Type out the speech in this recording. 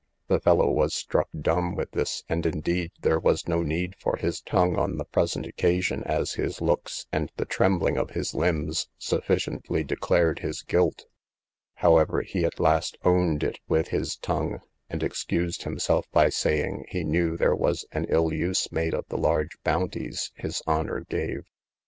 The fellow was struck dumb with this, and indeed there was no need for his tongue on the present occasion, as his looks, and the trembling of his limbs, sufficiently declared his guilt; however he at last owned it with his tongue; and excused himself by saying, he knew there was an ill use made of the large bounties his honour gave.